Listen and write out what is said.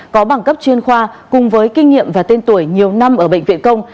có bằng cấp chuyên khoa cùng với kinh nghiệm và tên tuổi nhiều năm ở bệnh viện công